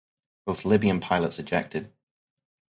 Both Libyan pilots ejected.